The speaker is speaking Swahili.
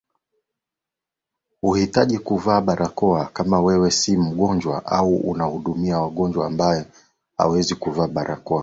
Huhitaji kuvaa barakoa kama wewe si mgonjwa au unamhudumia mgonjwa ambaye awezi kuvaa barakoa